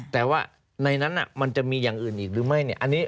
แต่ว่าในนั้นมันจะมีอย่างอื่นอีกหรือไม่เนี่ย